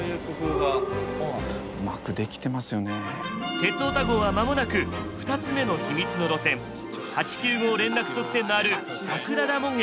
「鉄オタ号」は間もなく２つ目の秘密の路線８・９号連絡側線のある桜田門駅へ。